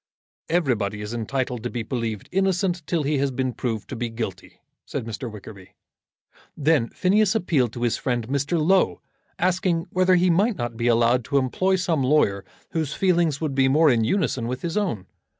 "Everybody is entitled to be believed innocent till he has been proved to be guilty," said Mr. Wickerby. Then Phineas appealed to his friend Mr. Low, asking whether he might not be allowed to employ some lawyer whose feelings would be more in unison with his own.